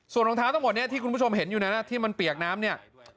ส่วนรองเท้าทั้งหมดนี้ที่คุณผู้ชมเห็นอยู่นั้นที่มันเปียกน้ำเนี่ย